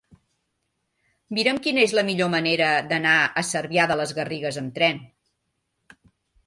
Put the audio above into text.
Mira'm quina és la millor manera d'anar a Cervià de les Garrigues amb tren.